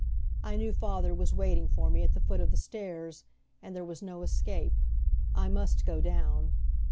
I knew father was waiting for me at the foot of the stairs, and there was no escape, I must go down.